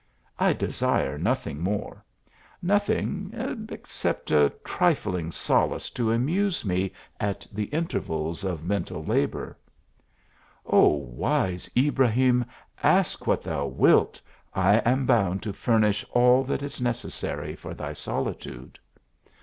I desire nothing more, nothing, except a trilling solace to amuse me at the intervals of mental labour." " Oh ! wise Ibrahim, ask what thou wilt ; I am bound to furnish all that is necessary for thy soli tude."